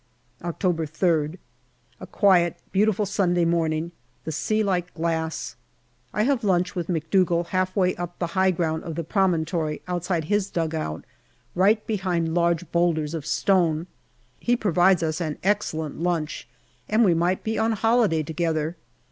October 3rd. A quiet, beautiful Sunday morning, the sea like glass. I have lunch with McDougall half way up the high ground 238 GALLIPOLI DIARY of the promontory, outside his dugout, right behind large boulders of stone. He provides us an excellent lunch, and we might be on holiday together.